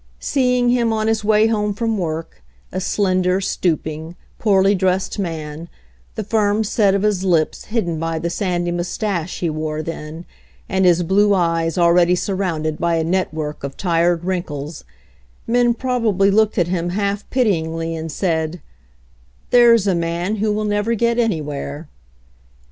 Seeing him on his way home from work, a slender, stooping, poorly dressed man, the firm set of his lips hidden by the sandy mustache he wore then, and his blue eyes already surrounded by a network of tired wrinkles, men probably looked at him half pity ingly, and said : "There's a man who will never get anywhere."